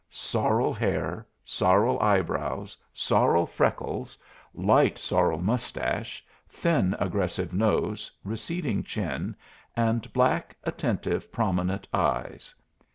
Sorrel hair, sorrel eyebrows, sorrel freckles, light sorrel mustache, thin aggressive nose, receding chin, and black, attentive, prominent eyes.